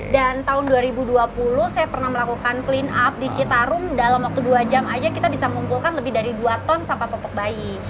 dan tahun dua ribu dua puluh saya pernah melakukan clean up di citarum dalam waktu dua jam aja kita bisa mengumpulkan lebih dari dua ton sampah popok bayi